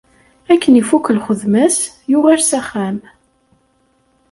Akken ifukk lxedma-s yuɣal s axxam.